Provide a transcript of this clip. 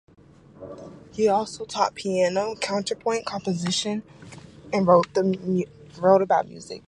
He also taught piano, counterpoint, composition, and wrote about music.